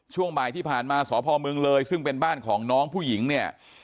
ช่วงบ่ายที่ผ่านมาสพเมืองเลยซึ่งเป็นบ้านของน้องผู้หญิงเนี่ย